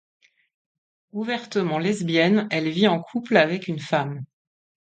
Ouvertement lesbienne, elle vit en couple avec une femme.